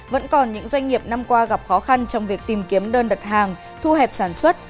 vẫn còn những doanh nghiệp năm qua gặp khó khăn trong việc tìm kiếm đơn đặt hàng thu hẹp sản xuất